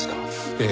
ええ。